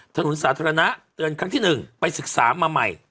ถนนสาธารณะเตือนครั้งที่๑ไปศึกษามาใหม่